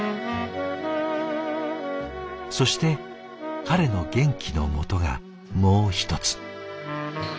そして彼の元気のもとがもう一つ。